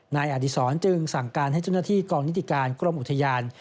นายอดีศรจึงสั่งการให้เจ้าหน้าที่กองนิติการกรมอุทยาน